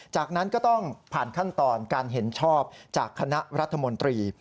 จากนั้นก็ต้องผ่านขั้นตอนการเห็นชอบจากคณะรัฐมนตรี